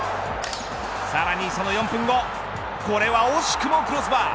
さらにその４分後これは惜しくもクロスバー。